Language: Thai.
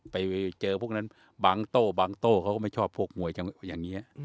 ไปเจอพวกนั้นบางโต้บางโต้เขาก็ไม่ชอบพวกมวยอย่างนี้